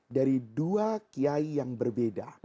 dari dua kiai yang berbeda